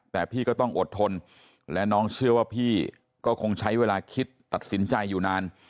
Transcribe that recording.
แต่พี่ก็ต้องอดทนและน้องเชื่อว่าพี่ก็คงใช้เวลาคิดตัดสินใจอยู่นาน